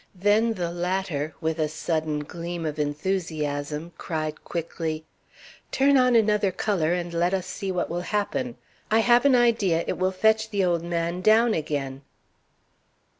Then the latter, with a sudden gleam of enthusiasm, cried quickly: "Turn on another color, and let us see what will happen. I have an idea it will fetch the old man down again."